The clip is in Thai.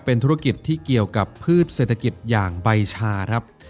เป็นธุรกิจที่เกี่ยวกับพืชเศรษฐกิจอย่างใบชาครับ